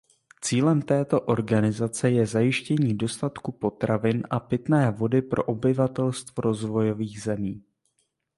Cílem této organizace je zajištění dostatku potravin a pitné vody pro obyvatelstvo rozvojových zemí.